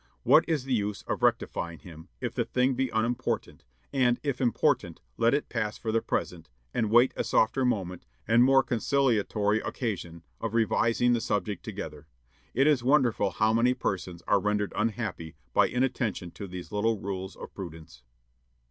What is the use of rectifying him, if the thing be unimportant, and, if important, let it pass for the present, and wait a softer moment and more conciliatory occasion of revising the subject together. It is wonderful how many persons are rendered unhappy by inattention to these little rules of prudence."